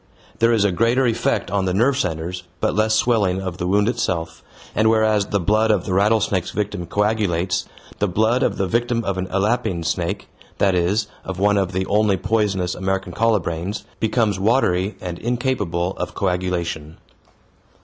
There is a greater effect on the nerve centres, but less swelling of the wound itself, and, whereas the blood of the rattlesnake's victim coagulates, the blood of the victim of an elapine snake that is, of one of the only poisonous American colubrines becomes watery and incapable of coagulation.